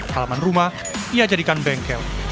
halaman rumah ia jadikan bengkel